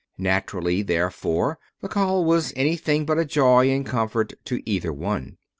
Naturally, therefore, the call was anything but a joy and comfort to either one.